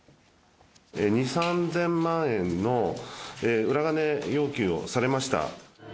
２、３０００万円の裏金要求をされました。